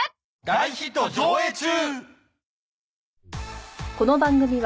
大ヒット上映中！